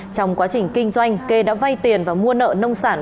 trong quá trình kinh doanh kê đã vay tiền và mua nợ nông sản